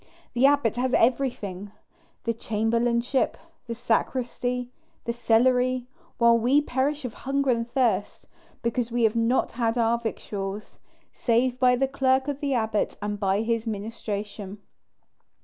The abbot has everything, the chamberlainship, the sacristy, the cellary; while we perish of hunger and thirst, because we have not our victuals, save by the clerk of the abbot and by his ministration.